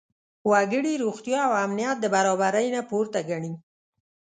وګړي روغتیا او امنیت د برابرۍ نه پورته ګڼي.